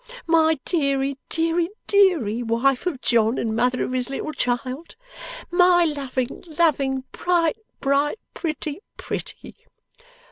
My deary, deary, deary, wife of John and mother of his little child! My loving loving, bright bright, Pretty Pretty!